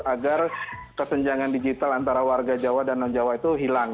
agar kesenjangan digital antara warga jawa dan non jawa itu hilang